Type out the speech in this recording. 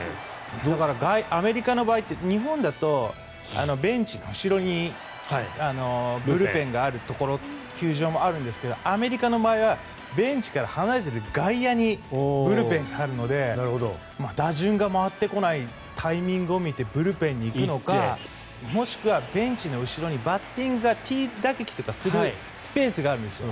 だから、アメリカの場合って日本だとベンチの後ろにブルペンがあるところ球場もあるんですがアメリカの場合はベンチから離れている外野にブルペンがあるので打順が回ってこないタイミングを見てブルペンに行くのかもしくはベンチの後ろにバッティングティー打撃とかをするスペースがあるんですよ。